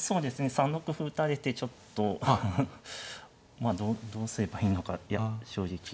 ３六歩打たれてちょっとまあどうすればいいのかいや正直。